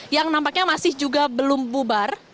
yang nampaknya masih juga belum bubar